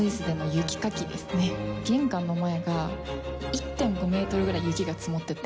玄関の前が１．５メートルぐらい雪が積もってて。